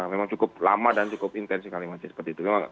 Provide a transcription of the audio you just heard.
memang cukup lama dan cukup intens kalimatnya seperti itu